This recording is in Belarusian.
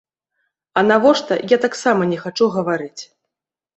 А навошта, я таксама не хачу гаварыць.